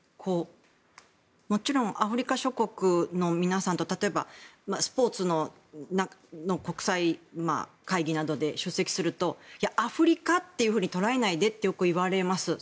もちろんアフリカ諸国の皆さんと例えば、スポーツの国際会議などに出席するとアフリカというふうに捉えないでってよく言われます。